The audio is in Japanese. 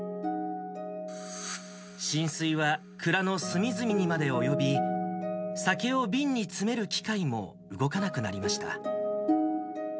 浸水は蔵の隅々にまで及び、酒を瓶に詰める機械も動かなくなりました。